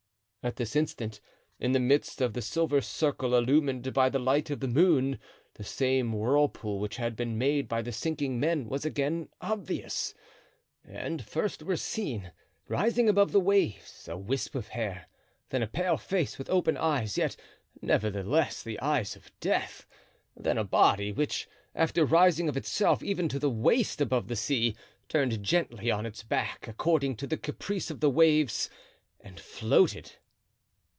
At this instant, in the midst of the silver circle illumined by the light of the moon the same whirlpool which had been made by the sinking men was again obvious, and first were seen, rising above the waves, a wisp of hair, then a pale face with open eyes, yet, nevertheless, the eyes of death; then a body, which, after rising of itself even to the waist above the sea, turned gently on its back, according to the caprice of the waves, and floated.